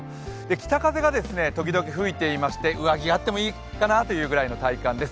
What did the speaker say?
北風が時々吹いていまして上着があってもいいかなというぐらいの体感です。